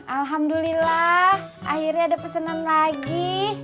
alhamdulillah akhirnya ada pesanan lagi